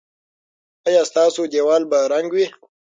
ایا ستاسو دیوال به رنګ وي؟